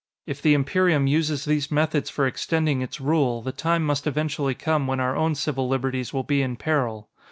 If the Imperium uses these methods for extending its rule, the time must eventually come when our own civil liberties will be in peril.